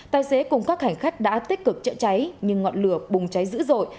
tài xế cùng các hành khách đã tích cực chữa cháy nhưng ngọn lửa bùng cháy dữ dội